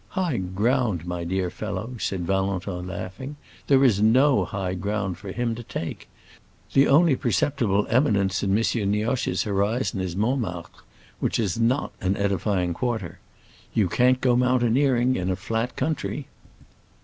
"High ground, my dear fellow," said Valentin, laughing; "there is no high ground for him to take. The only perceptible eminence in M. Nioche's horizon is Montmartre, which is not an edifying quarter. You can't go mountaineering in a flat country."